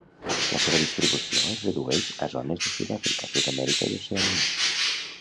La seva distribució es redueix a zones de Sud-àfrica, Sud-amèrica i Oceania.